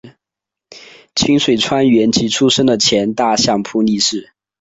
清水川元吉出身的前大相扑力士。